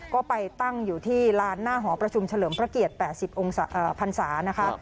ก็ไปตั้งอยู่ที่ลานหน้าหอประชุมเฉลิมพระเกียรติ๘๐พันศานะคะ